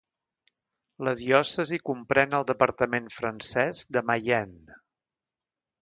La diòcesi comprèn el departament francès de Mayenne.